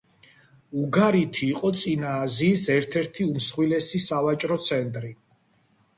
უგარითი იყო წინა აზიის ერთ-ერთი უმსხვილესი სავაჭრო ცენტრი.